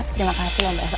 terima kasih mbak elsa